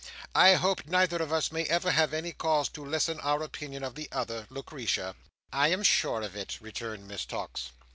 I hope neither of us may ever have any cause to lessen our opinion of the other, Lucretia." "I am sure of it," returned Miss Tox.